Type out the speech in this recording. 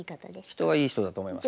人はいい人だと思います。